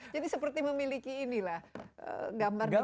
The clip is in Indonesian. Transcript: jadi seperti memiliki inilah gambar digital